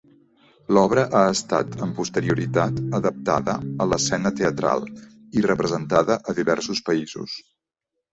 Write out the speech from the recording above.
L'obra ha estat amb posterioritat adaptada a l'escena teatral i representada a diversos països.